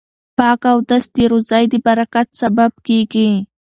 پاک اودس د روزۍ د برکت سبب کیږي.